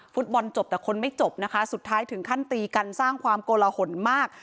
ฟุตบอลจบแต่คนไม่จบนะคะสุดท้ายถึงขั้นตีกันสร้างความโกลหนมาก